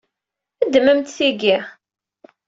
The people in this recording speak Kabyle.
Ddmemt tigi.